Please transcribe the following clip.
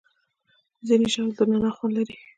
ځینې ژاولې د نعناع خوند لري.